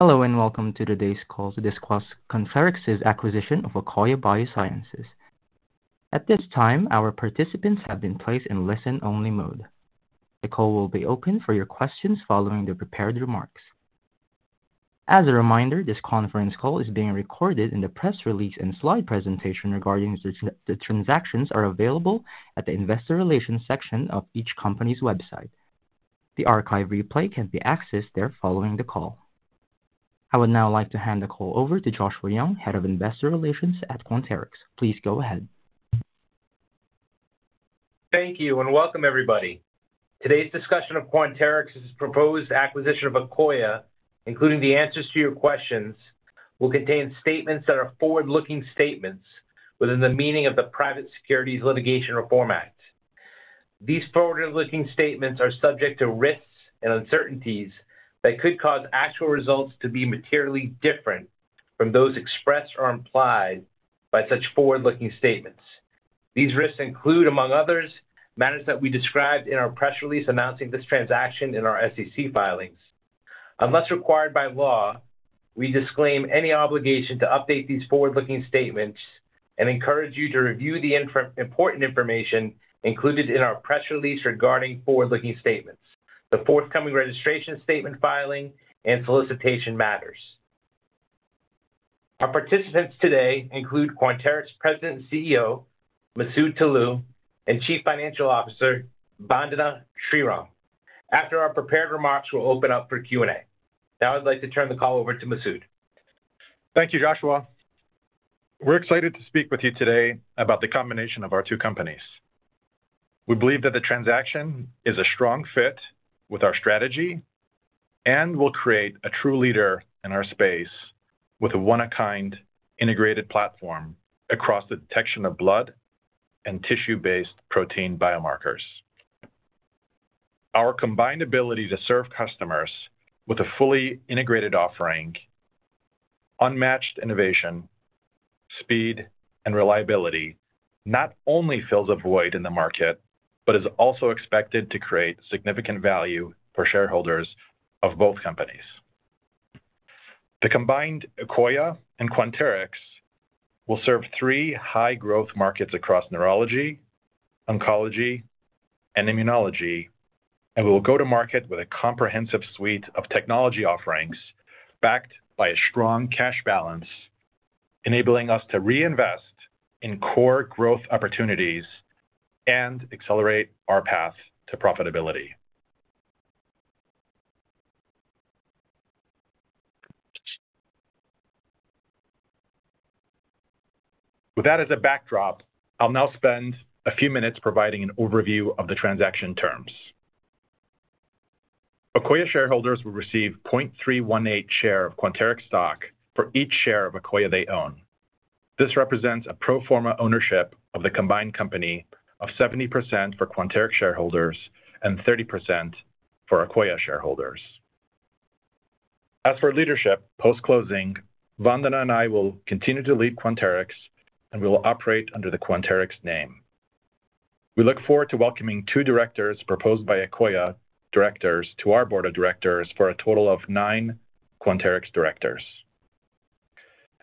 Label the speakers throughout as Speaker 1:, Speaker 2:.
Speaker 1: Hello and welcome to today's call. This call's conference is acquisition of Akoya Biosciences. At this time, our participants have been placed in listen-only mode. The call will be open for your questions following the prepared remarks. As a reminder, this conference call is being recorded. In the press release and slide presentation regarding the transactions that are available at the investor relations section of each company's website. The archive replay can be accessed there following the call. I would now like to hand the call over to Joshua Young, Head of Investor Relations at Quanterix. Please go ahead.
Speaker 2: Thank you and welcome everybody. Today's discussion of Quanterix's proposed acquisition of Akoya, including the answers to your questions, will contain statements that are forward-looking statements within the meaning of the Private Securities Litigation Reform Act. These forward-looking statements are subject to risks and uncertainties that could cause actual results to be materially different from those expressed or implied by such forward-looking statements. These risks include, among others, matters that we described in our press release announcing this transaction in our SEC filings. Unless required by law, we disclaim any obligation to update these forward-looking statements and encourage you to review the important information included in our press release regarding forward-looking statements, the forthcoming registration statement filing, and solicitation matters. Our participants today include Quanterix President and CEO, Masoud Toloue, and Chief Financial Officer, Vandana Sriram. After our prepared remarks, we'll open up for Q&A. Now I'd like to turn the call over to Masoud.
Speaker 3: Thank you, Joshua. We're excited to speak with you today about the combination of our two companies. We believe that the transaction is a strong fit with our strategy and will create a true leader in our space with a one-of-a-kind integrated platform across the detection of blood and tissue-based protein biomarkers. Our combined ability to serve customers with a fully integrated offering, unmatched innovation, speed, and reliability not only fills a void in the market, but is also expected to create significant value for shareholders of both companies. The combined Akoya and Quanterix will serve three high-growth markets across neurology, oncology, and immunology, and we'll go to market with a comprehensive suite of technology offerings backed by a strong cash balance, enabling us to reinvest in core growth opportunities and accelerate our path to profitability. With that as a backdrop, I'll now spend a few minutes providing an overview of the transaction terms. Akoya shareholders will receive 0.318 share of Quanterix stock for each share of Akoya they own. This represents a pro forma ownership of the combined company of 70% for Quanterix shareholders and 30% for Akoya shareholders. As for leadership, post-closing, Vandana and I will continue to lead Quanterix and we will operate under the Quanterix name. We look forward to welcoming two directors proposed by Akoya directors to our board of directors for a total of nine Quanterix directors.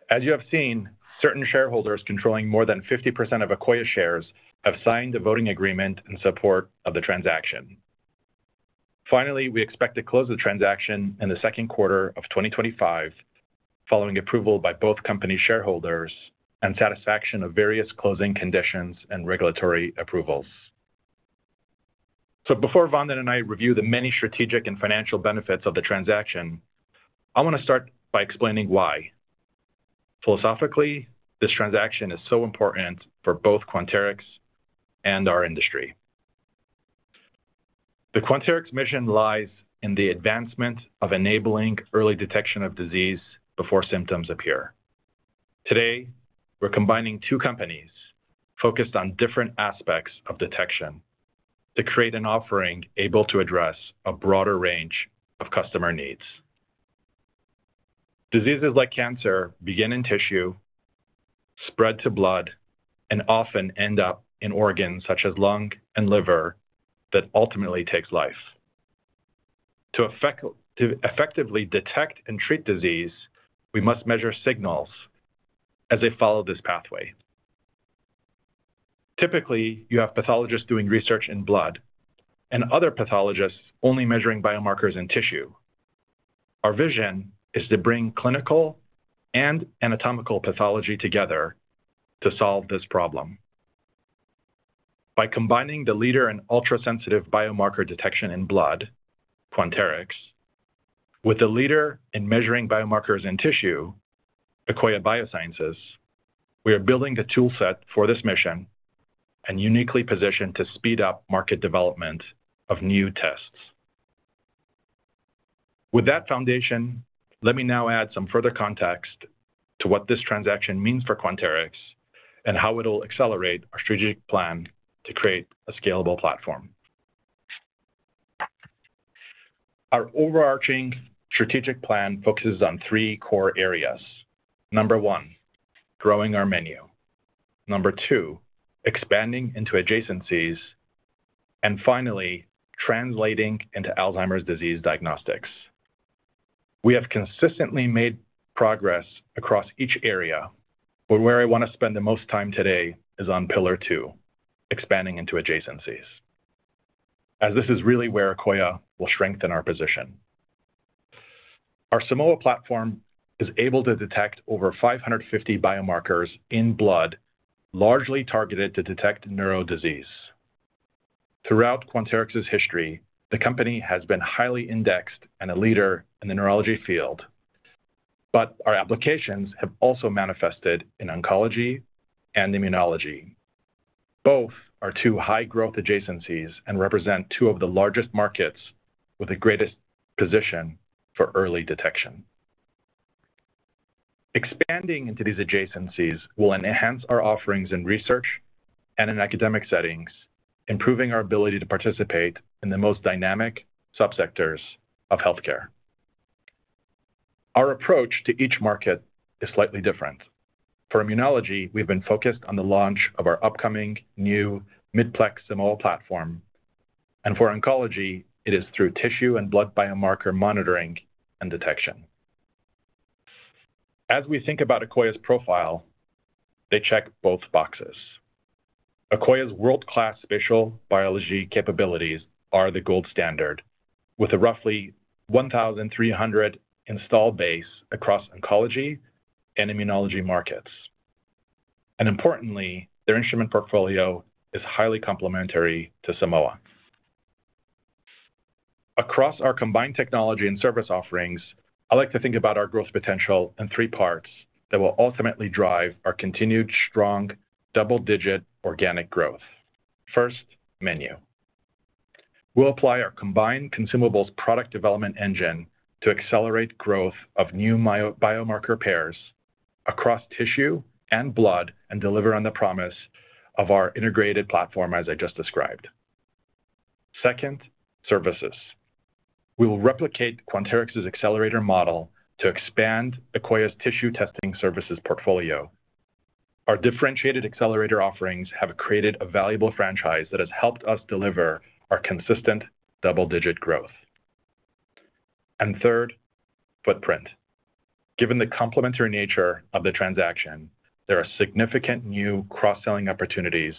Speaker 3: As you have seen, certain shareholders controlling more than 50% of Akoya shares have signed a voting agreement in support of the transaction. Finally, we expect to close the transaction in the second quarter of 2025, following approval by both companies' shareholders and satisfaction of various closing conditions and regulatory approvals. So before Vandana and I review the many strategic and financial benefits of the transaction, I want to start by explaining why. Philosophically, this transaction is so important for both Quanterix and our industry. The Quanterix mission lies in the advancement of enabling early detection of disease before symptoms appear. Today, we're combining two companies focused on different aspects of detection to create an offering able to address a broader range of customer needs. Diseases like cancer begin in tissue, spread to blood, and often end up in organs such as lung and liver that ultimately take life. To effectively detect and treat disease, we must measure signals as they follow this pathway. Typically, you have pathologists doing research in blood and other pathologists only measuring biomarkers in tissue. Our vision is to bring clinical and anatomical pathology together to solve this problem. By combining the leader in ultrasensitive biomarker detection in blood, Quanterix, with the leader in measuring biomarkers in tissue, Akoya Biosciences, we are building the toolset for this mission and uniquely positioned to speed up market development of new tests. With that foundation, let me now add some further context to what this transaction means for Quanterix and how it'll accelerate our strategic plan to create a scalable platform. Our overarching strategic plan focuses on three core areas. Number one, growing our menu. Number two, expanding into adjacencies. And finally, translating into Alzheimer's disease diagnostics. We have consistently made progress across each area, but where I want to spend the most time today is on pillar two, expanding into adjacencies, as this is really where Akoya will strengthen our position. Our Simoa platform is able to detect over 550 biomarkers in blood, largely targeted to detect neuro disease. Throughout Quanterix's history, the company has been highly indexed and a leader in the neurology field, but our applications have also manifested in oncology and immunology. Both are two high-growth adjacencies and represent two of the largest markets with the greatest position for early detection. Expanding into these adjacencies will enhance our offerings in research and in academic settings, improving our ability to participate in the most dynamic subsectors of healthcare. Our approach to each market is slightly different. For immunology, we've been focused on the launch of our upcoming new mid-plex Simoa platform, and for oncology, it is through tissue and blood biomarker monitoring and detection. As we think about Akoya's profile, they check both boxes. Akoya's world-class spatial biology capabilities are the gold standard with a roughly 1,300 installed base across oncology and immunology markets, and importantly, their instrument portfolio is highly complementary to Simoa. Across our combined technology and service offerings, I like to think about our growth potential in three parts that will ultimately drive our continued strong double-digit organic growth. First, menu. We'll apply our combined consumables product development engine to accelerate growth of new biomarker pairs across tissue and blood and deliver on the promise of our integrated platform, as I just described. Second, services. We will replicate Quanterix's Accelerator model to expand Akoya's tissue testing services portfolio. Our differentiated Accelerator offerings have created a valuable franchise that has helped us deliver our consistent double-digit growth. And third, footprint. Given the complementary nature of the transaction, there are significant new cross-selling opportunities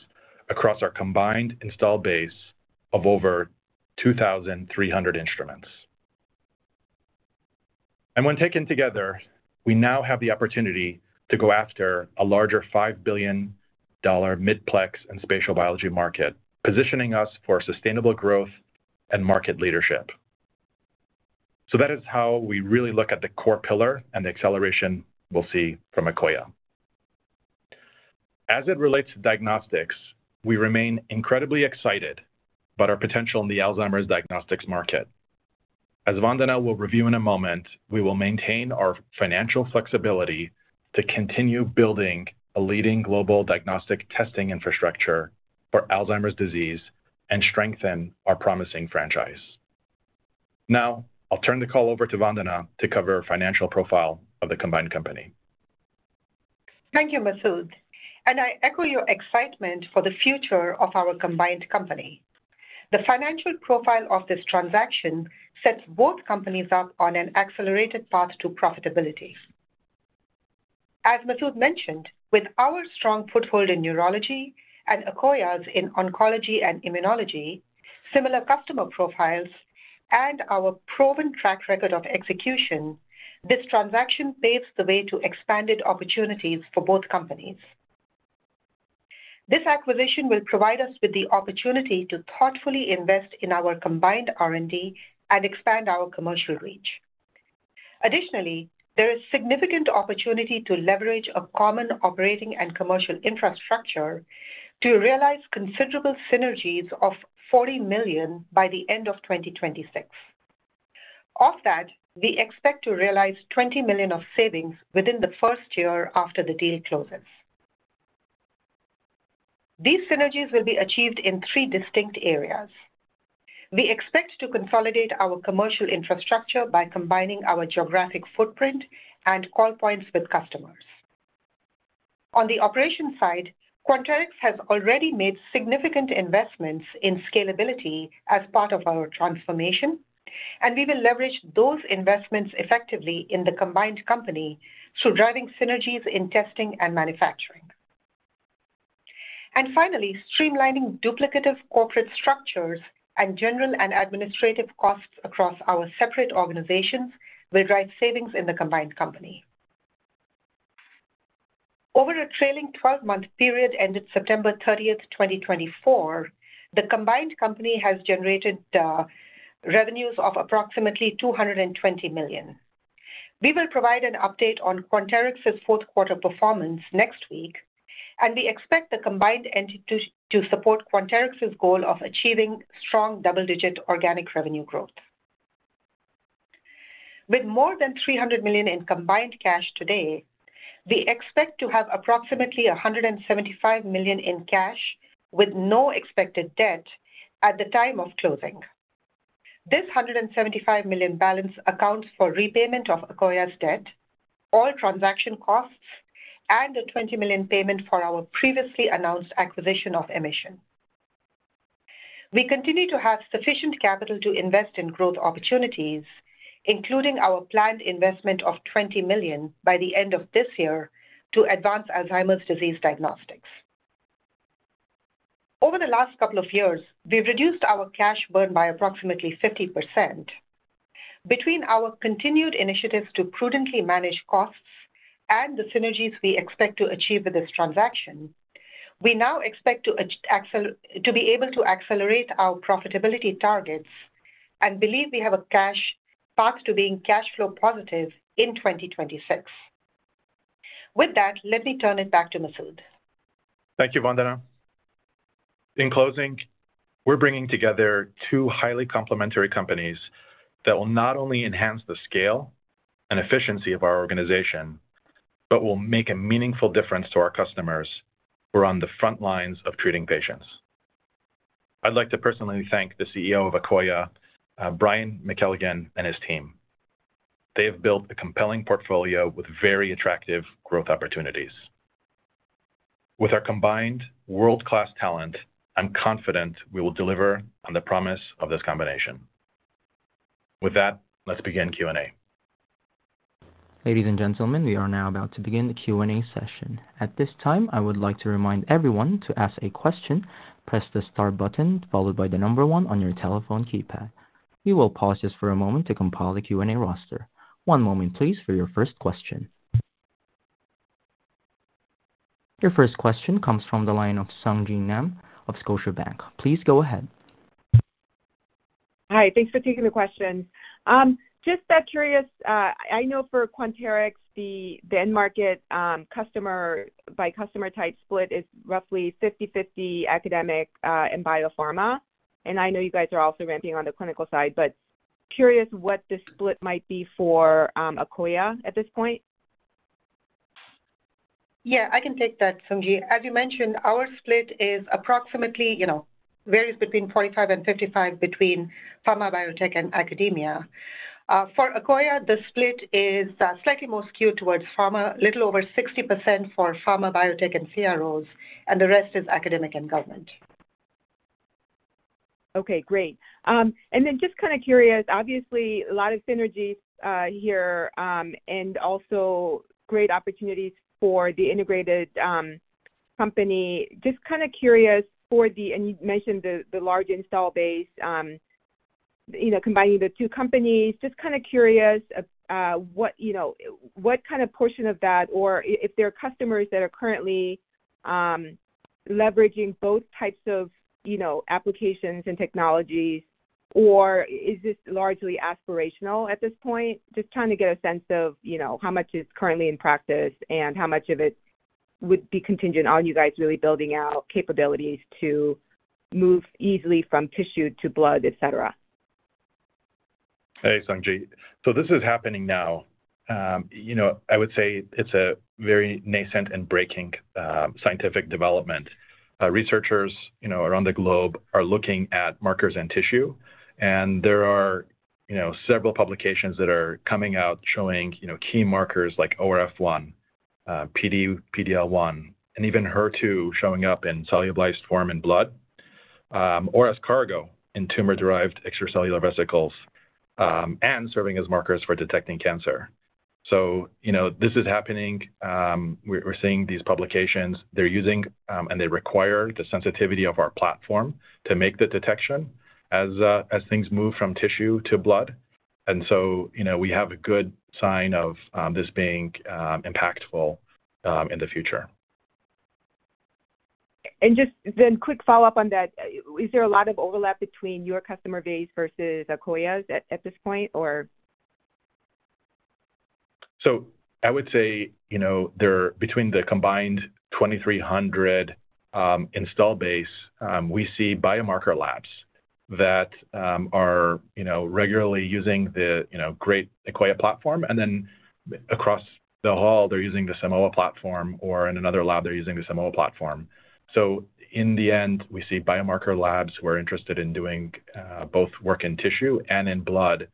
Speaker 3: across our combined install base of over 2,300 instruments. And when taken together, we now have the opportunity to go after a larger $5 billion Mid-Plex and spatial biology market, positioning us for sustainable growth and market leadership. So that is how we really look at the core pillar and the acceleration we'll see from Akoya. As it relates to diagnostics, we remain incredibly excited about our potential in the Alzheimer's diagnostics market. As Vandana will review in a moment, we will maintain our financial flexibility to continue building a leading global diagnostic testing infrastructure for Alzheimer's disease and strengthen our promising franchise. Now, I'll turn the call over to Vandana to cover our financial profile of the combined company.
Speaker 4: Thank you, Masoud. I echo your excitement for the future of our combined company. The financial profile of this transaction sets both companies up on an accelerated path to profitability. As Masoud mentioned, with our strong foothold in neurology and Akoya's in oncology and immunology, similar customer profiles, and our proven track record of execution, this transaction paves the way to expanded opportunities for both companies. This acquisition will provide us with the opportunity to thoughtfully invest in our combined R&D and expand our commercial reach. Additionally, there is significant opportunity to leverage a common operating and commercial infrastructure to realize considerable synergies of $40 million by the end of 2026. Of that, we expect to realize $20 million of savings within the first year after the deal closes. These synergies will be achieved in three distinct areas. We expect to consolidate our commercial infrastructure by combining our geographic footprint and call points with customers. On the operation side, Quanterix has already made significant investments in scalability as part of our transformation, and we will leverage those investments effectively in the combined company through driving synergies in testing and manufacturing, and finally, streamlining duplicative corporate structures and general and administrative costs across our separate organizations will drive savings in the combined company. Over a trailing 12-month period ended September 30th, 2024, the combined company has generated revenues of approximately $220 million. We will provide an update on Quanterix's fourth quarter performance next week, and we expect the combined entity to support Quanterix's goal of achieving strong double-digit organic revenue growth. With more than $300 million in combined cash today, we expect to have approximately $175 million in cash with no expected debt at the time of closing. This $175 million balance accounts for repayment of Akoya's debt, all transaction costs, and the $20 million payment for our previously announced acquisition of Emission. We continue to have sufficient capital to invest in growth opportunities, including our planned investment of $20 million by the end of this year to advance Alzheimer's disease diagnostics. Over the last couple of years, we've reduced our cash burn by approximately 50%. Between our continued initiatives to prudently manage costs and the synergies we expect to achieve with this transaction, we now expect to be able to accelerate our profitability targets and believe we have a cash path to being cash flow positive in 2026. With that, let me turn it back to Masoud.
Speaker 3: Thank you, Vandana. In closing, we're bringing together two highly complementary companies that will not only enhance the scale and efficiency of our organization, but will make a meaningful difference to our customers who are on the front lines of treating patients. I'd like to personally thank the CEO of Akoya, Brian McKelligon, and his team. They have built a compelling portfolio with very attractive growth opportunities. With our combined world-class talent, I'm confident we will deliver on the promise of this combination. With that, let's begin Q&A.
Speaker 1: Ladies and gentlemen, we are now about to begin the Q&A session. At this time, I would like to remind everyone to ask a question, press the start button followed by the number one on your telephone keypad. We will pause just for a moment to compile the Q&A roster. One moment, please, for your first question. Your first question comes from the line of Sung Ji Nam of Scotiabank. Please go ahead.
Speaker 5: Hi, thanks for taking the question. Just that curious, I know for Quanterix, the end market customer by customer type split is roughly 50/50 academic and biopharma. And I know you guys are also ramping on the clinical side, but curious what the split might be for Akoya at this point.
Speaker 4: Yeah, I can take that, Sung Ji. As you mentioned, our split is approximately varies between 45 and 55 between pharma biotech and academia. For Akoya, the split is slightly more skewed towards pharma, a little over 60% for pharma biotech and CROs, and the rest is academic and government.
Speaker 5: Okay, great. And then just kind of curious, obviously a lot of synergies here and also great opportunities for the integrated company. Just kind of curious for the, and you mentioned the large install base, combining the two companies, just kind of curious what kind of portion of that, or if there are customers that are currently leveraging both types of applications and technologies, or is this largely aspirational at this point? Just trying to get a sense of how much is currently in practice and how much of it would be contingent on you guys really building out capabilities to move easily from tissue to blood, etc.
Speaker 3: Hey, Sung Ji. So this is happening now. I would say it's a very nascent and breaking scientific development. Researchers around the globe are looking at markers in tissue, and there are several publications that are coming out showing key markers like ORF1, PD-L1, and even HER2 showing up in solubilized form in blood, or as cargo in tumor-derived extracellular vesicles, and serving as markers for detecting cancer. So this is happening. We're seeing these publications. They're using, and they require the sensitivity of our platform to make the detection as things move from tissue to blood. And so we have a good sign of this being impactful in the future.
Speaker 5: And just a quick follow-up on that, is there a lot of overlap between your customer base versus Akoya's at this point, or?
Speaker 3: So I would say between the combined 2,300 installed base, we see biomarker labs that are regularly using the great Akoya platform, and then across the hall, they're using the Simoa platform, or in another lab, they're using the Simoa platform. So in the end, we see biomarker labs who are interested in doing both work in tissue and in blood,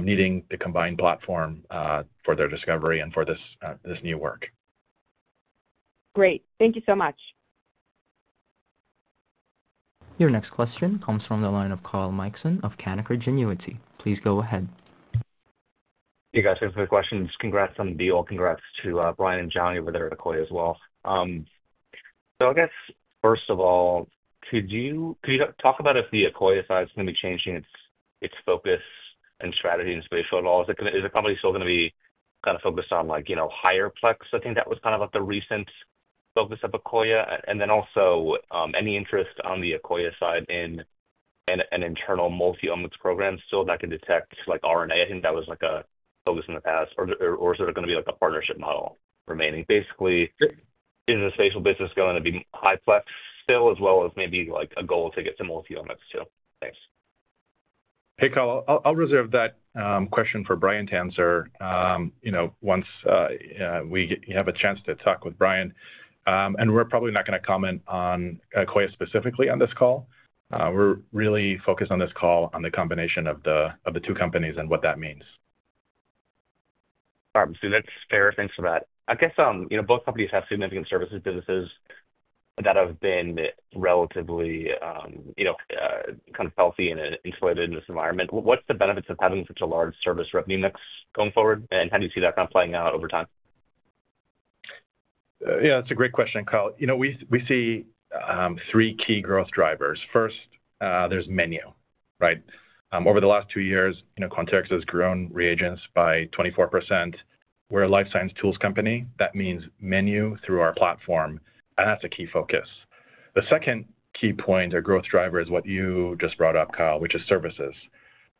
Speaker 3: needing the combined platform for their discovery and for this new work.
Speaker 5: Great. Thank you so much.
Speaker 1: Your next question comes from the line of Kyle Mikson of Canaccord Genuity. Please go ahead.
Speaker 6: Hey, guys. Thanks for the questions. Congrats on the deal. Congrats to Brian and Johnny over there at Akoya as well. So I guess, first of all, could you talk about if the Akoya side is going to be changing its focus and strategy in spatial at all? Is the company still going to be kind of focused on higher plex? I think that was kind of the recent focus of Akoya. And then also any interest on the Akoya side in an internal multi-omics program still that can detect RNA? I think that was a focus in the past. Or is there going to be a partnership model remaining? Basically, is the spatial business going to be high-plex still, as well as maybe a goal to get to multi-omics too? Thanks.
Speaker 3: Hey, Kyle, I'll reserve that question for Brian to answer once we have a chance to talk with Brian. And we're probably not going to comment on Akoya specifically on this call. We're really focused on this call on the combination of the two companies and what that means.
Speaker 6: All right, Masoud. That's fair. Thanks for that. I guess both companies have significant services businesses that have been relatively kind of healthy and insulated in this environment. What's the benefits of having such a large service revenue mix going forward? And how do you see that kind of playing out over time?
Speaker 3: Yeah, that's a great question, Kyle. We see three key growth drivers. First, there's menu, right? Over the last two years, Quanterix has grown reagents by 24%. We're a life science tools company. That means menu through our platform. And that's a key focus. The second key point or growth driver is what you just brought up, Kyle, which is services.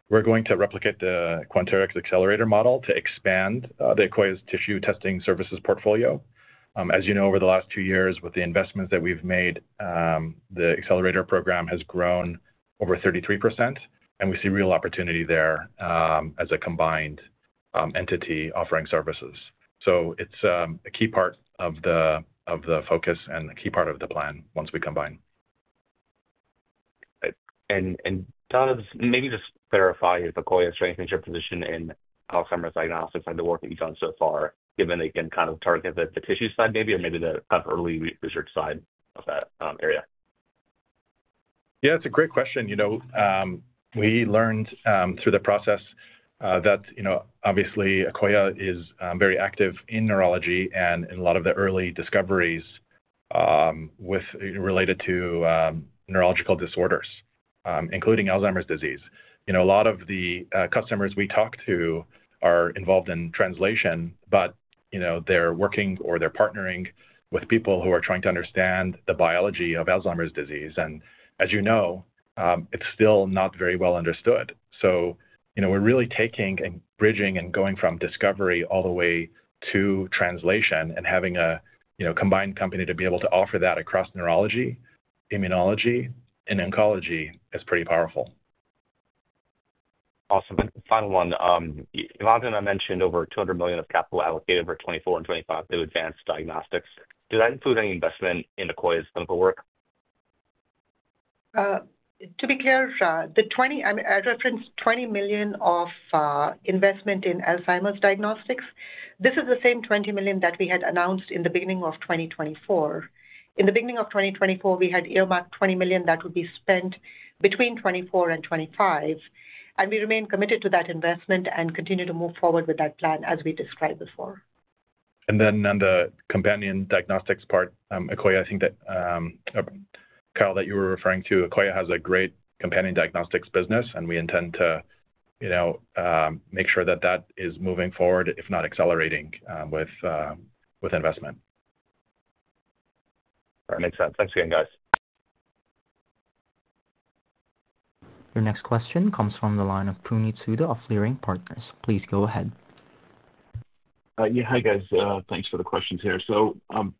Speaker 3: We're going to replicate the Quanterix Accelerator model to expand Akoya's tissue testing services portfolio. As you know, over the last two years, with the investments that we've made, the Accelerator program has grown over 33%, and we see real opportunity there as a combined entity offering services. So it's a key part of the focus and a key part of the plan once we combine.
Speaker 6: Maybe just clarify if Akoya's strengthened your position in Alzheimer's diagnostics and the work that you've done so far, given they can kind of target the tissue side maybe, or maybe the early research side of that area?
Speaker 3: Yeah, that's a great question. We learned through the process that obviously Akoya is very active in neurology and in a lot of the early discoveries related to neurological disorders, including Alzheimer's disease. A lot of the customers we talk to are involved in translation, but they're working or they're partnering with people who are trying to understand the biology of Alzheimer's disease, and as you know, it's still not very well understood, so we're really taking and bridging and going from discovery all the way to translation and having a combined company to be able to offer that across neurology, immunology, and oncology is pretty powerful.
Speaker 6: Awesome. And final one. Vandana mentioned over $200 million of capital allocated for 2024 and 2025 to advance diagnostics. Does that include any investment in Akoya's clinical work?
Speaker 4: To be clear, I referenced $20 million of investment in Alzheimer’s diagnostics. This is the same $20 million that we had announced in the beginning of 2024. In the beginning of 2024, we had earmarked $20 million that would be spent between 2024 and 2025. And we remain committed to that investment and continue to move forward with that plan as we described before.
Speaker 3: Then on the companion diagnostics part, Akoya, I think that Kyle, that you were referring to, Akoya has a great companion diagnostics business, and we intend to make sure that that is moving forward, if not accelerating, with investment.
Speaker 6: That makes sense. Thanks again, guys.
Speaker 1: Your next question comes from the line of Puneet Souda of Leerink Partners. Please go ahead.
Speaker 7: Yeah, hi guys. Thanks for the questions here. So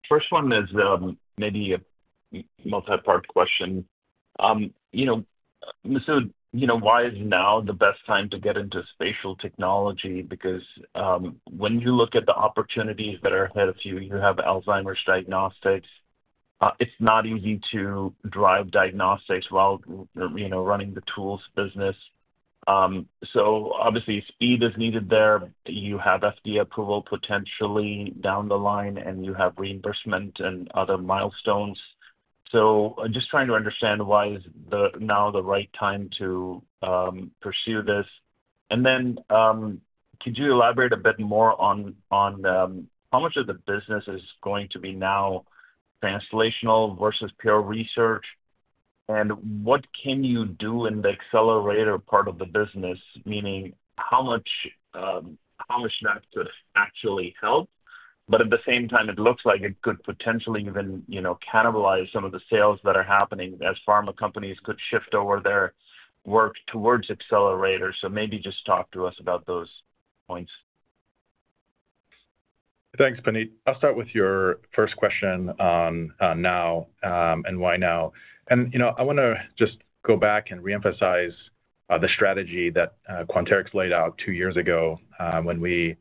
Speaker 7: first one is maybe a multi-part question. Masoud, why is now the best time to get into spatial technology? Because when you look at the opportunities that are ahead of you, you have Alzheimer's diagnostics. It's not easy to drive diagnostics while running the tools business. So obviously, speed is needed there. You have FDA approval potentially down the line, and you have reimbursement and other milestones. So just trying to understand why is now the right time to pursue this. And then could you elaborate a bit more on how much of the business is going to be now translational versus pure research? And what can you do in the Accelerator part of the business, meaning how much that could actually help? But at the same time, it looks like it could potentially even cannibalize some of the sales that are happening as pharma companies could shift over their work towards Accelerators. So maybe just talk to us about those points.
Speaker 3: Thanks, Puneet. I'll start with your first question on now and why now, and I want to just go back and reemphasize the strategy that Quanterix laid out two years ago when we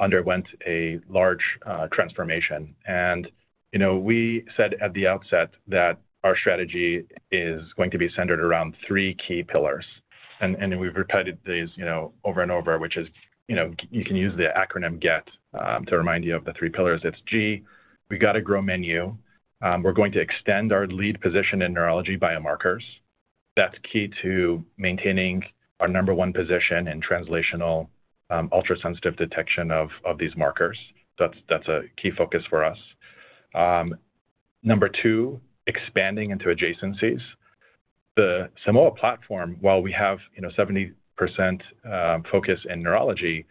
Speaker 3: underwent a large transformation, and we said at the outset that our strategy is going to be centered around three key pillars. And we've repeated these over and over, which is you can use the acronym GET to remind you of the three pillars. It's G, we've got to grow menu. We're going to extend our lead position in neurology biomarkers. That's key to maintaining our number one position in translational ultrasensitive detection of these markers. That's a key focus for us. Number two, expanding into adjacencies. The Simoa platform, while we have 70% focus in neurology,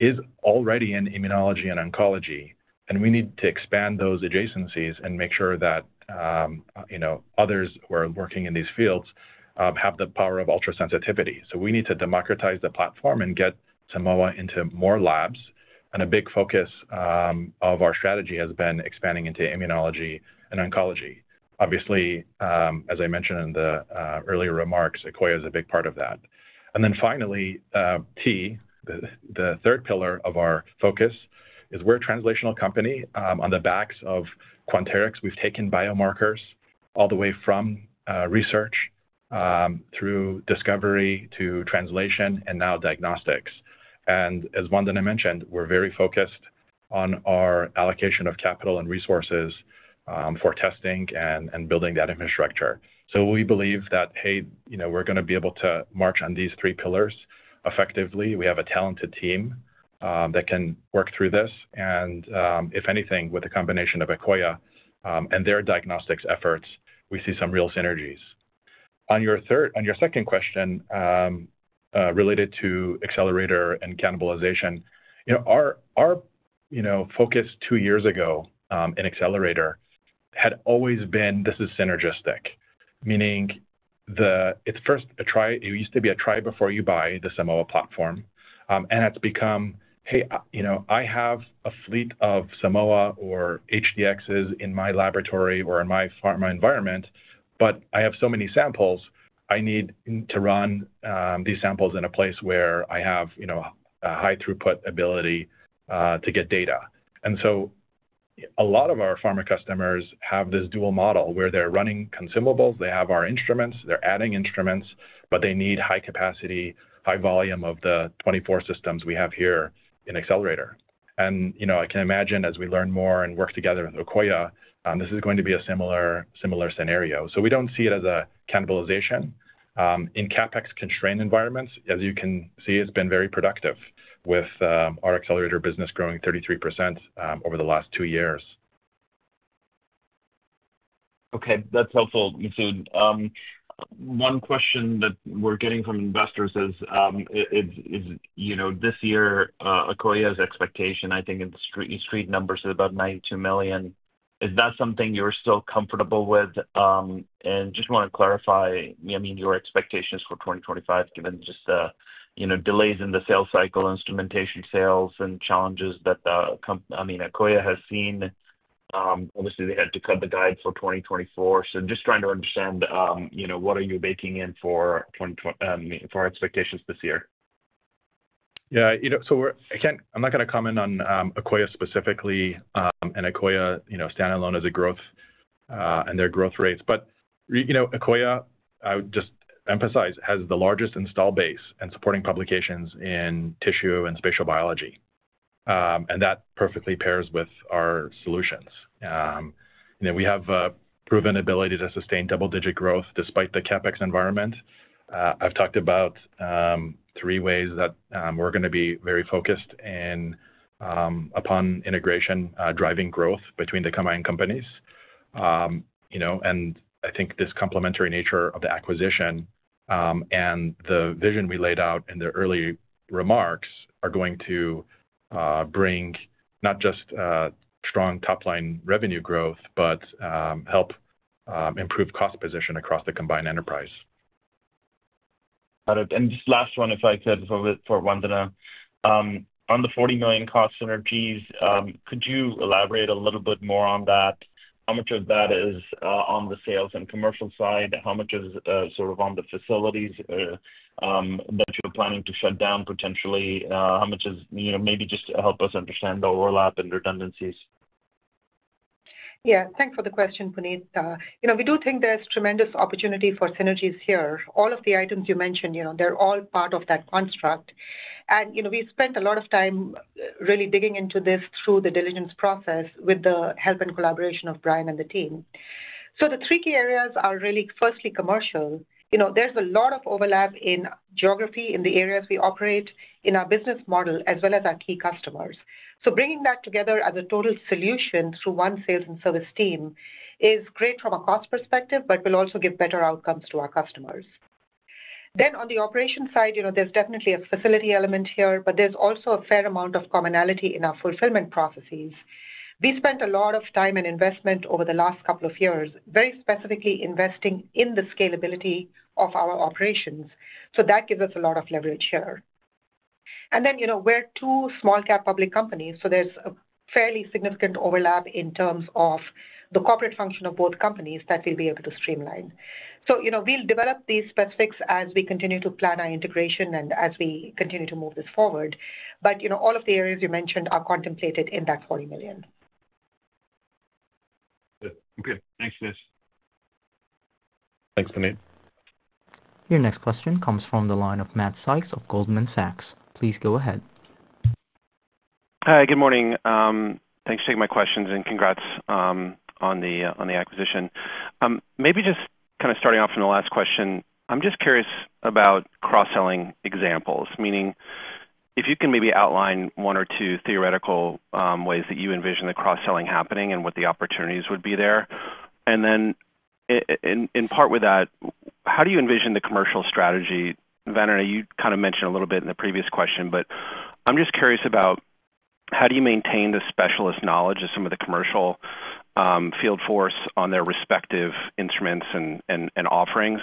Speaker 3: is already in immunology and oncology. We need to expand those adjacencies and make sure that others who are working in these fields have the power of ultrasensitivity, so we need to democratize the platform and get Simoa into more labs, and a big focus of our strategy has been expanding into immunology and oncology. Obviously, as I mentioned in the earlier remarks, Akoya is a big part of that, and then finally, t, the third pillar of our focus is we're a translational company. On the backs of Quanterix, we've taken biomarkers all the way from research through discovery to translation and now diagnostics, and as Vandana mentioned, we're very focused on our allocation of capital and resources for testing and building that infrastructure, so we believe that, hey, we're going to be able to march on these three pillars effectively. We have a talented team that can work through this. And if anything, with the combination of Akoya and their diagnostics efforts, we see some real synergies. On your second question related to Accelerator and cannibalization, our focus two years ago in Accelerator had always been, this is synergistic, meaning it used to be a try before you buy the Simoa platform. And it's become, hey, I have a fleet of Simoa or HD-Xs in my laboratory or in my pharma environment, but I have so many samples. I need to run these samples in a place where I have a high throughput ability to get data. And so a lot of our pharma customers have this dual model where they're running consumables. They have our instruments. They're adding instruments, but they need high capacity, high volume of the 24 systems we have here in Accelerator. I can imagine as we learn more and work together with Akoya, this is going to be a similar scenario. So we don't see it as a cannibalization. In CapEx constrained environments, as you can see, it's been very productive with our Accelerator business growing 33% over the last two years.
Speaker 7: Okay, that's helpful, Masoud. One question that we're getting from investors is this year, Akoya's expectation, I think in street numbers is about $92 million. Is that something you're still comfortable with, and just want to clarify, I mean, your expectations for 2025, given just delays in the sales cycle, instrumentation sales, and challenges that Akoya has seen. Obviously, they had to cut the guide for 2024, so just trying to understand what are you baking in for expectations this year?
Speaker 3: Yeah. So again, I'm not going to comment on Akoya specifically and Akoya standalone as a growth and their growth rates. But Akoya, I would just emphasize, has the largest install base and supporting publications in tissue and spatial biology. And that perfectly pairs with our solutions. We have proven ability to sustain double-digit growth despite the CapEx environment. I've talked about three ways that we're going to be very focused upon integration, driving growth between the combined companies. And I think this complementary nature of the acquisition and the vision we laid out in the early remarks are going to bring not just strong top-line revenue growth, but help improve cost position across the combined enterprise.
Speaker 7: Got it. And just last one, if I could, for Vandana. On the $40 million cost synergies, could you elaborate a little bit more on that? How much of that is on the sales and commercial side? How much is sort of on the facilities that you're planning to shut down potentially? How much is maybe just to help us understand the overlap and redundancies?
Speaker 4: Yeah, thanks for the question, Puneet. We do think there's tremendous opportunity for synergies here. All of the items you mentioned, they're all part of that construct, and we spent a lot of time really digging into this through the diligence process with the help and collaboration of Brian and the team, so the three key areas are really firstly commercial, there's a lot of overlap in geography in the areas we operate in our business model as well as our key customers, so bringing that together as a total solution through one sales and service team is great from a cost perspective, but will also give better outcomes to our customers, then on the operation side, there's definitely a facility element here, but there's also a fair amount of commonality in our fulfillment processes. We spent a lot of time and investment over the last couple of years, very specifically investing in the scalability of our operations. So that gives us a lot of leverage here. And then we're two small-cap public companies. So there's a fairly significant overlap in terms of the corporate function of both companies that we'll be able to streamline. So we'll develop these specifics as we continue to plan our integration and as we continue to move this forward. But all of the areas you mentioned are contemplated in that $40 million.
Speaker 7: Good. Thanks, Masoud.
Speaker 3: Thanks, Puneet.
Speaker 1: Your next question comes from the line of Matt Sykes of Goldman Sachs. Please go ahead.
Speaker 8: Hi, good morning. Thanks for taking my questions and congrats on the acquisition. Maybe just kind of starting off from the last question, I'm just curious about cross-selling examples, meaning if you can maybe outline one or two theoretical ways that you envision the cross-selling happening and what the opportunities would be there. And then in part with that, how do you envision the commercial strategy? Vandana, you kind of mentioned a little bit in the previous question, but I'm just curious about how do you maintain the specialist knowledge of some of the commercial field force on their respective instruments and offerings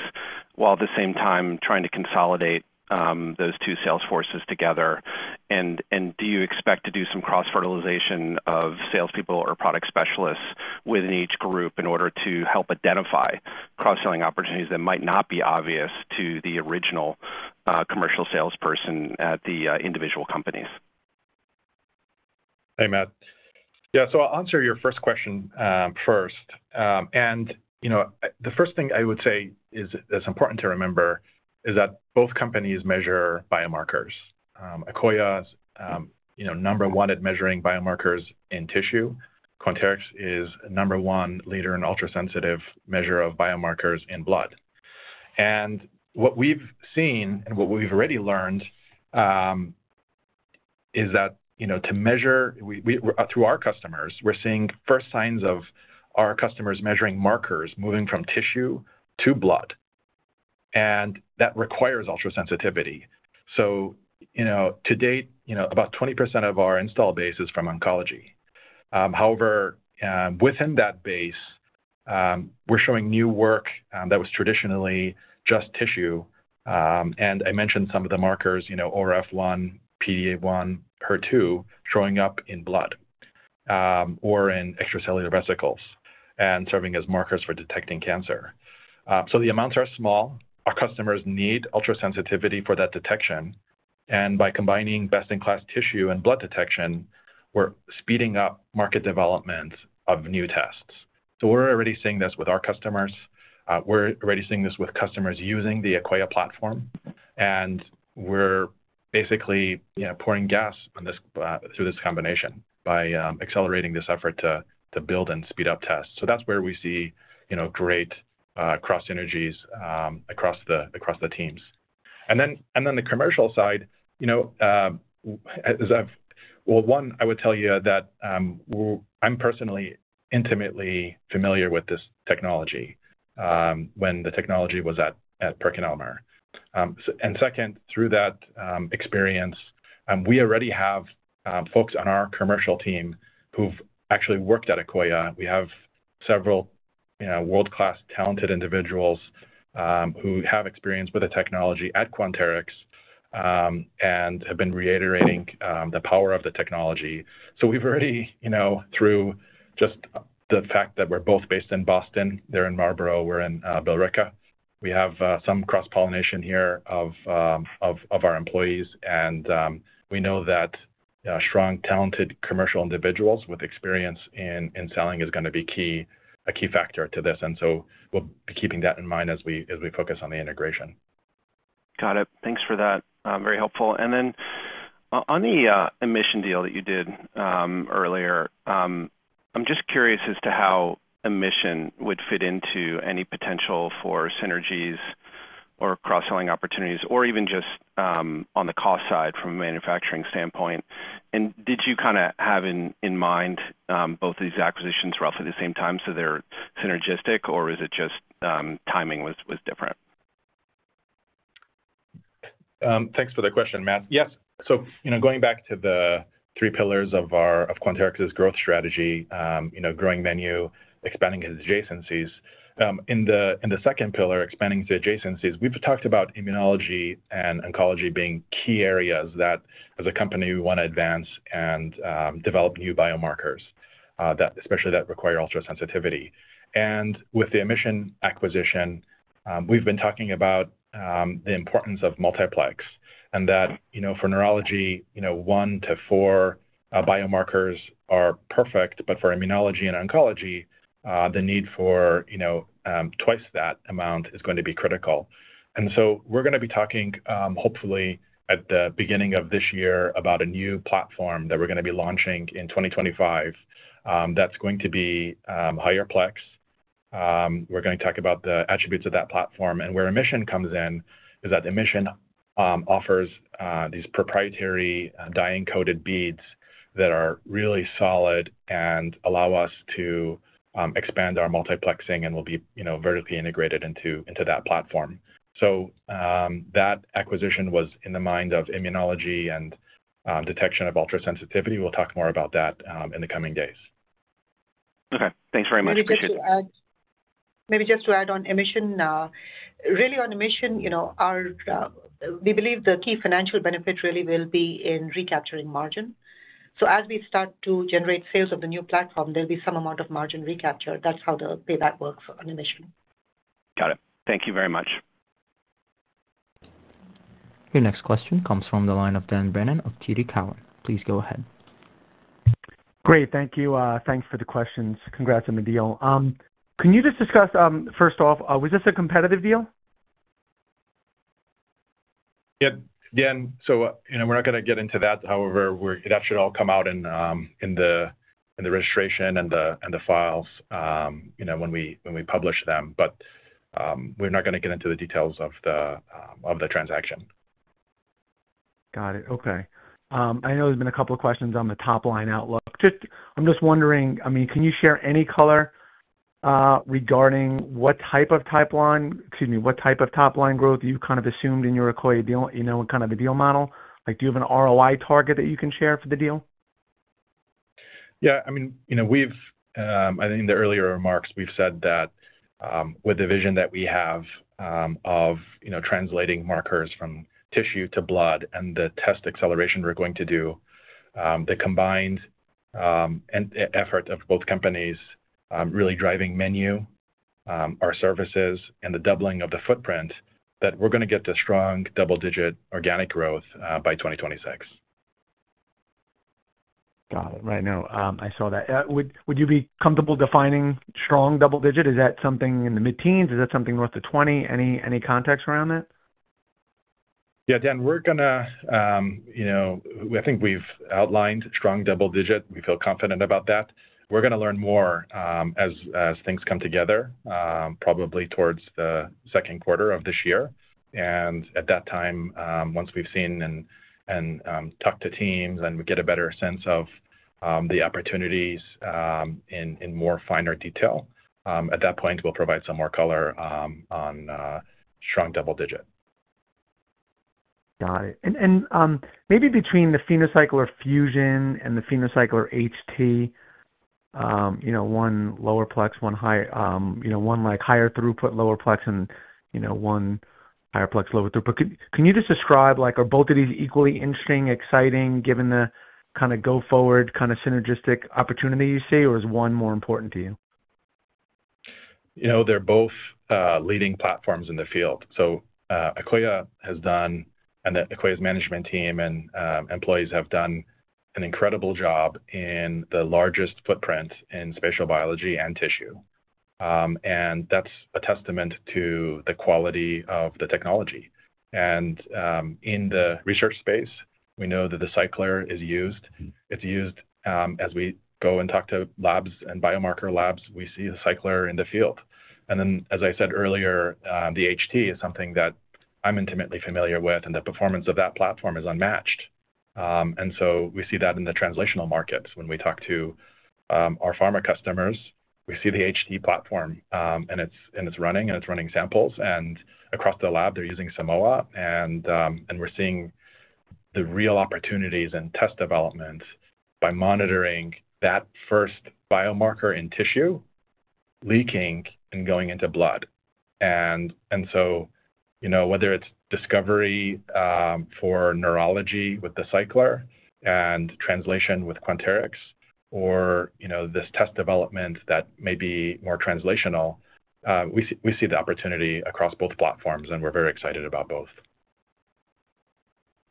Speaker 8: while at the same time trying to consolidate those two sales forces together? Do you expect to do some cross-fertilization of salespeople or product specialists within each group in order to help identify cross-selling opportunities that might not be obvious to the original commercial salesperson at the individual companies?
Speaker 3: Hey, Matt. Yeah, so I'll answer your first question first. And the first thing I would say is important to remember is that both companies measure biomarkers. Akoya is number one at measuring biomarkers in tissue. Quanterix is number one leader in ultrasensitive measure of biomarkers in blood. And what we've seen and what we've already learned is that to measure through our customers, we're seeing first signs of our customers measuring markers moving from tissue to blood. And that requires ultrasensitivity. So to date, about 20% of our installed base is from oncology. However, within that base, we're showing new work that was traditionally just tissue. And I mentioned some of the markers, ORF1, PD-L1, HER2, showing up in blood or in extracellular vesicles and serving as markers for detecting cancer. So the amounts are small. Our customers need ultrasensitivity for that detection. And by combining best-in-class tissue and blood detection, we're speeding up market development of new tests. So we're already seeing this with our customers. We're already seeing this with customers using the Akoya platform. And we're basically pouring gas through this combination by accelerating this effort to build and speed up tests. So that's where we see great cross-synergies across the teams. And then the commercial side, well, one, I would tell you that I'm personally intimately familiar with this technology when the technology was at PerkinElmer. And second, through that experience, we already have folks on our commercial team who've actually worked at Akoya. We have several world-class talented individuals who have experience with the technology at Quanterix and have been reiterating the power of the technology. So we've already, through just the fact that we're both based in Boston, they're in Marlborough, we're in Billerica. We have some cross-pollination here of our employees. And we know that strong, talented commercial individuals with experience in selling is going to be a key factor to this. And so we'll be keeping that in mind as we focus on the integration.
Speaker 8: Got it. Thanks for that. Very helpful. And then on the Emission deal that you did earlier, I'm just curious as to how Emission would fit into any potential for synergies or cross-selling opportunities, or even just on the cost side from a manufacturing standpoint. And did you kind of have in mind both of these acquisitions roughly at the same time? So they're synergistic, or is it just timing was different?
Speaker 3: Thanks for the question, Matt. Yes. So going back to the three pillars of Quanterix's growth strategy, growing menu, expanding adjacencies. In the second pillar, expanding adjacencies, we've talked about immunology and oncology being key areas that, as a company, we want to advance and develop new biomarkers, especially that require ultrasensitivity. And with the Emission acquisition, we've been talking about the importance of multiplex. And that for neurology, one to four biomarkers are perfect, but for immunology and oncology, the need for twice that amount is going to be critical. And so we're going to be talking, hopefully, at the beginning of this year about a new platform that we're going to be launching in 2025 that's going to be Higher Plex. We're going to talk about the attributes of that platform. Where Emission comes in is that Emission offers these proprietary dye-encoded beads that are really solid and allow us to expand our multiplexing and will be vertically integrated into that platform. That acquisition was in the mind of immunology and detection of ultrasensitivity. We'll talk more about that in the coming days.
Speaker 8: Okay. Thanks very much. Appreciate it.
Speaker 4: Maybe just to add on Emission, really on Emission, we believe the key financial benefit really will be in recapturing margin. So as we start to generate sales of the new platform, there'll be some amount of margin recapture. That's how the payback works on Emission.
Speaker 8: Got it. Thank you very much.
Speaker 1: Your next question comes from the line of Dan Brennan of TD Cowen. Please go ahead.
Speaker 9: Great. Thank you. Thanks for the questions. Congrats on the deal. Can you just discuss, first off, was this a competitive deal?
Speaker 3: Yep. Yeah. So we're not going to get into that. However, that should all come out in the registration and the files when we publish them. But we're not going to get into the details of the transaction.
Speaker 9: Got it. Okay. I know there's been a couple of questions on the top-line outlook. I'm just wondering, I mean, can you share any color regarding what type of top-line, excuse me, what type of top-line growth you kind of assumed in your Akoya deal, kind of the deal model? Do you have an ROI target that you can share for the deal?
Speaker 3: Yeah. I mean, I think in the earlier remarks, we've said that with the vision that we have of translating markers from tissue to blood and the test acceleration we're going to do, the combined effort of both companies really driving menu, our services, and the doubling of the footprint, that we're going to get to strong double-digit organic growth by 2026.
Speaker 9: Got it. Right. No, I saw that. Would you be comfortable defining strong double-digit? Is that something in the mid-teens? Is that something north of 20? Any context around that?
Speaker 3: Yeah. Dan, we're going to, I think we've outlined strong double-digit. We feel confident about that. We're going to learn more as things come together, probably towards the second quarter of this year. And at that time, once we've seen and talked to teams and get a better sense of the opportunities in more finer detail, at that point, we'll provide some more color on strong double-digit.
Speaker 9: Got it. And maybe between the PhenoCycler-Fusion and the PhenoCycler-HT, one lower plex, one higher throughput lower plex, and one higher plex lower throughput. Can you just describe, are both of these equally interesting, exciting, given the kind of go-forward kind of synergistic opportunity you see, or is one more important to you?
Speaker 3: They're both leading platforms in the field, so Akoya has done, and Akoya's management team and employees have done an incredible job in the largest footprint in spatial biology and tissue, and that's a testament to the quality of the technology, and in the research space, we know that the Cycler is used. It's used as we go and talk to labs and biomarker labs. We see the Cycler in the field, and then, as I said earlier, the HT is something that I'm intimately familiar with, and the performance of that platform is unmatched, and so we see that in the translational markets. When we talk to our pharma customers, we see the HT platform, and it's running, and it's running samples, and across the lab, they're using Simoa. And we're seeing the real opportunities in test development by monitoring that first biomarker in tissue leaking and going into blood. And so whether it's discovery for neurology with the Cycler and translation with Quanterix, or this test development that may be more translational, we see the opportunity across both platforms, and we're very excited about both.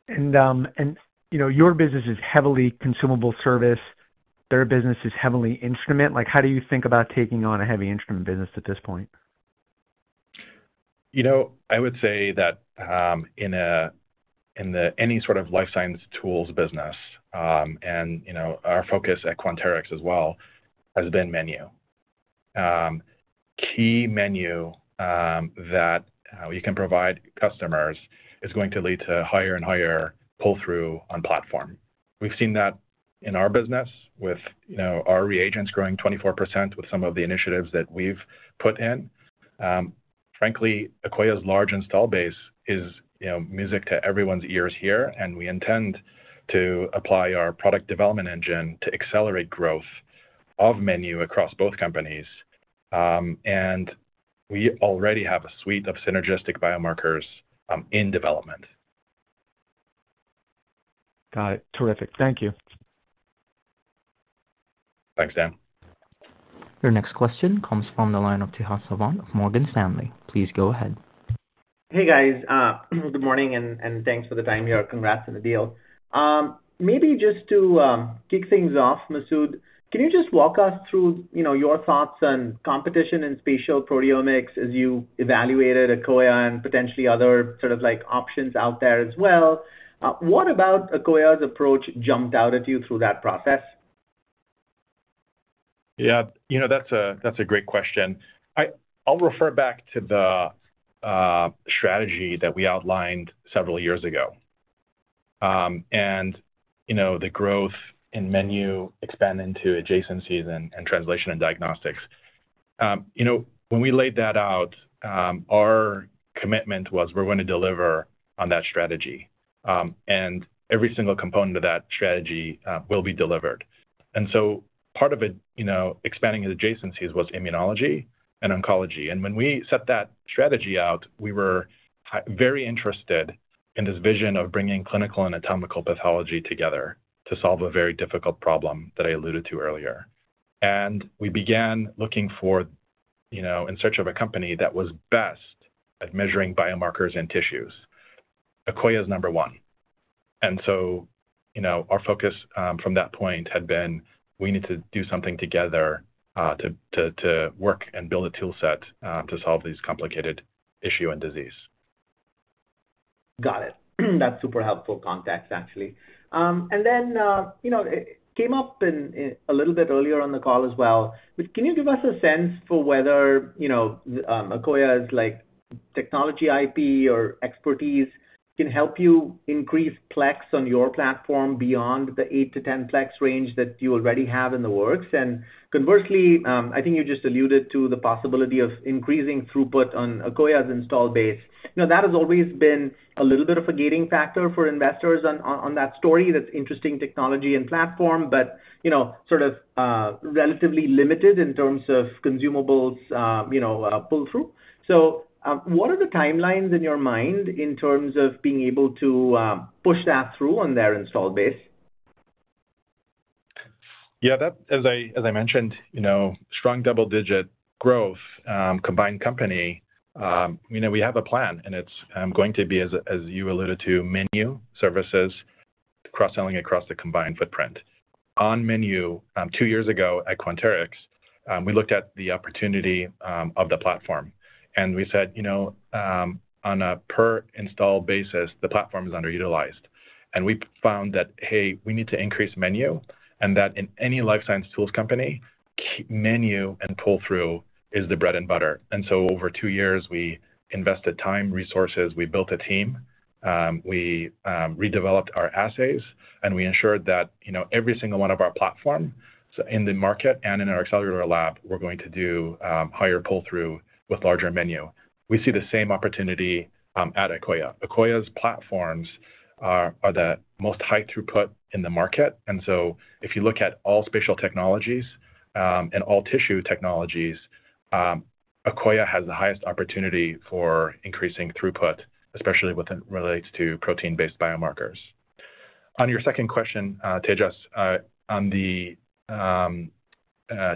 Speaker 9: And your business is heavily consumable service. Their business is heavily instrument. How do you think about taking on a heavy instrument business at this point?
Speaker 3: I would say that in any sort of life science tools business, and our focus at Quanterix as well, has been menu. Key menu that we can provide customers is going to lead to higher and higher pull-through on platform. We've seen that in our business with our reagents growing 24% with some of the initiatives that we've put in. Frankly, Akoya's large installed base is music to everyone's ears here, and we intend to apply our product development engine to accelerate growth of menu across both companies, and we already have a suite of synergistic biomarkers in development.
Speaker 9: Got it. Terrific. Thank you.
Speaker 3: Thanks, Dan.
Speaker 1: Your next question comes from the line of Tejas Savant of Morgan Stanley. Please go ahead.
Speaker 10: Hey, guys. Good morning, and thanks for the time here. Congrats on the deal. Maybe just to kick things off, Masoud, can you just walk us through your thoughts on competition in spatial proteomics as you evaluated Akoya and potentially other sort of options out there as well? What about Akoya's approach jumped out at you through that process?
Speaker 3: Yeah. That's a great question. I'll refer back to the strategy that we outlined several years ago and the growth in menu expanding to adjacencies and translation and diagnostics. When we laid that out, our commitment was we're going to deliver on that strategy. And every single component of that strategy will be delivered. And so part of it expanding adjacencies was immunology and oncology. And when we set that strategy out, we were very interested in this vision of bringing clinical and anatomical pathology together to solve a very difficult problem that I alluded to earlier. And we began looking in search of a company that was best at measuring biomarkers in tissues. Akoya is number one. And so our focus from that point had been we need to do something together to work and build a toolset to solve these complicated issues and disease.
Speaker 10: Got it. That's super helpful context, actually, and then it came up a little bit earlier on the call as well, but can you give us a sense for whether Akoya's technology IP or expertise can help you increase plex on your platform beyond the eight to 10-plex range that you already have in the works? And conversely, I think you just alluded to the possibility of increasing throughput on Akoya's installed base. That has always been a little bit of a gating factor for investors on that story. That's interesting technology and platform, but sort of relatively limited in terms of consumables pull-through, so what are the timelines in your mind in terms of being able to push that through on their installed base?
Speaker 3: Yeah. As I mentioned, strong double-digit growth, combined company, we have a plan, and it's going to be, as you alluded to, menu services, cross-selling across the combined footprint. On menu, two years ago at Quanterix, we looked at the opportunity of the platform. We said, on a per-install basis, the platform is underutilized. We found that, hey, we need to increase menu and that in any life science tools company, menu and pull-through is the bread and butter. Over two years, we invested time, resources, we built a team, we redeveloped our assays, and we ensured that every single one of our platforms in the market and in our Accelerator lab, we're going to do higher pull-through with larger menu. We see the same opportunity at Akoya. Akoya's platforms are the most high-throughput in the market. And so if you look at all spatial technologies and all tissue technologies, Akoya has the highest opportunity for increasing throughput, especially when it relates to protein-based biomarkers. On your second question, Tejas, on the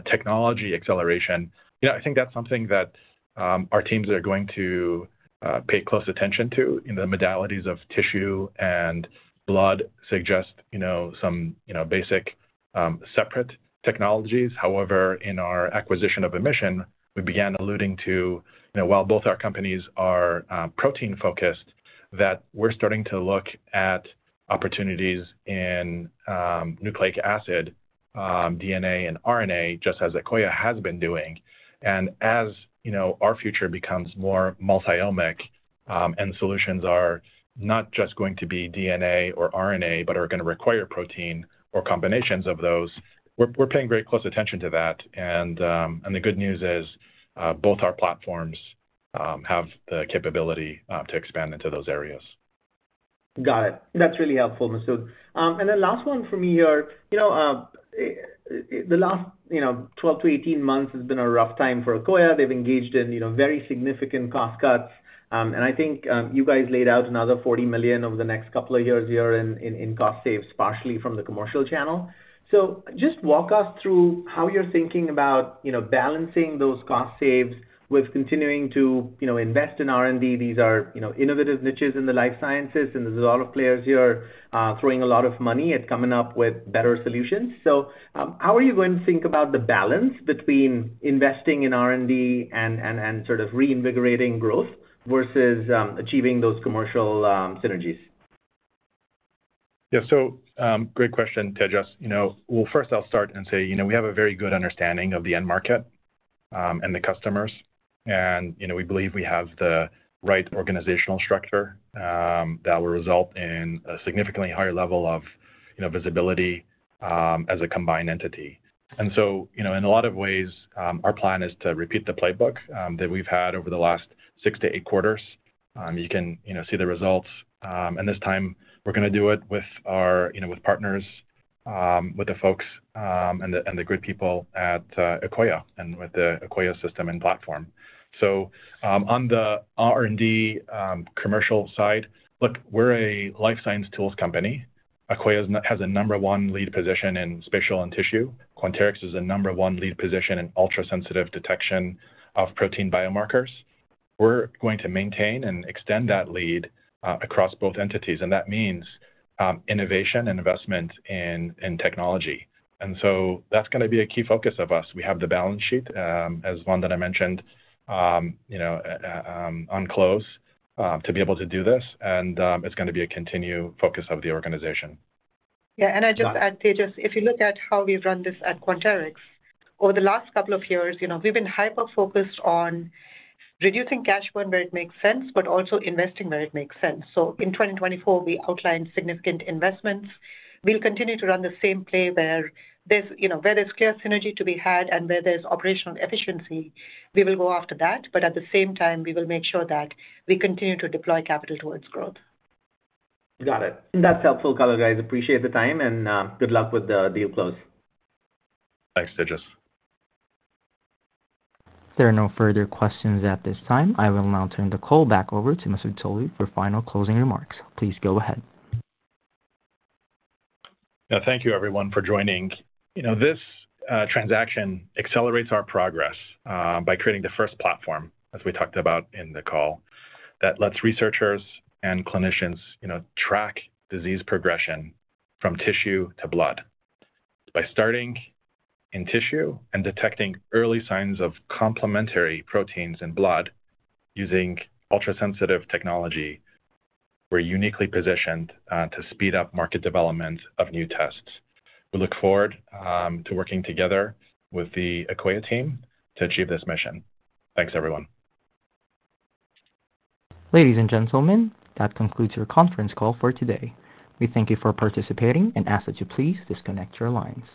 Speaker 3: technology acceleration, I think that's something that our teams are going to pay close attention to. The modalities of tissue and blood suggest some basic separate technologies. However, in our acquisition of Emission, we began alluding to, while both our companies are protein-focused, that we're starting to look at opportunities in nucleic acid, DNA, and RNA, just as Akoya has been doing. And as our future becomes more multi-omic and solutions are not just going to be DNA or RNA, but are going to require protein or combinations of those, we're paying very close attention to that. And the good news is both our platforms have the capability to expand into those areas.
Speaker 10: Got it. That's really helpful, Masoud. And then last one for me here. The last 12-18 months has been a rough time for Akoya. They've engaged in very significant cost cuts. And I think you guys laid out another $40 million over the next couple of years here in cost saves, partially from the commercial channel. So just walk us through how you're thinking about balancing those cost saves with continuing to invest in R&D. These are innovative niches in the life sciences, and there's a lot of players here throwing a lot of money at coming up with better solutions. So how are you going to think about the balance between investing in R&D and sort of reinvigorating growth versus achieving those commercial synergies?
Speaker 3: Yeah. So great question, Tejas. Well, first, I'll start and say we have a very good understanding of the end market and the customers. And we believe we have the right organizational structure that will result in a significantly higher level of visibility as a combined entity. And so in a lot of ways, our plan is to repeat the playbook that we've had over the last six-to-eight quarters. You can see the results. And this time, we're going to do it with our partners, with the folks and the great people at Akoya, and with the Akoya system and platform. So on the R&D commercial side, look, we're a life science tools company. Akoya has a number one lead position in spatial and tissue. Quanterix is a number one lead position in ultrasensitive detection of protein biomarkers. We're going to maintain and extend that lead across both entities, and that means innovation and investment in technology. And so that's going to be a key focus of us. We have the balance sheet, as Vandana and I mentioned, upon close to be able to do this, and it's going to be a continued focus of the organization.
Speaker 4: Yeah, and I'd just add, Tejas, if you look at how we've run this at Quanterix over the last couple of years, we've been hyper-focused on reducing cash burn where it makes sense, but also investing where it makes sense. So in 2024, we outlined significant investments. We'll continue to run the same play where there's clear synergy to be had and where there's operational efficiency. We will go after that. But at the same time, we will make sure that we continue to deploy capital towards growth.
Speaker 10: Got it. That's helpful, guys. Appreciate the time, and good luck with the deal close.
Speaker 3: Thanks, Tejas.
Speaker 1: There are no further questions at this time. I will now turn the call back over to Masoud Toloue for final closing remarks. Please go ahead.
Speaker 3: Yeah. Thank you, everyone, for joining. This transaction accelerates our progress by creating the first platform, as we talked about in the call, that lets researchers and clinicians track disease progression from tissue to blood by starting in tissue and detecting early signs of complementary proteins in blood using ultrasensitive technology. We're uniquely positioned to speed up market development of new tests. We look forward to working together with the Akoya team to achieve this mission. Thanks, everyone.
Speaker 1: Ladies and gentlemen, that concludes your conference call for today. We thank you for participating and ask that you please disconnect your lines.